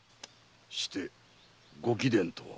してご貴殿とは？